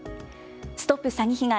ＳＴＯＰ詐欺被害！